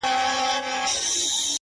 o اې ه سترگو کي کينه را وړم ـ